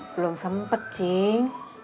belum sempet cing